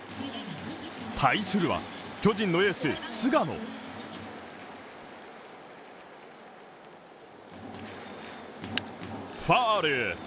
対するは、巨人のエース・菅野ファウル。